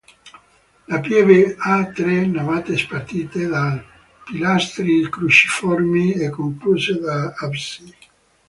La pieve è a tre navate spartite da pilastri cruciformi e concluse da absidi.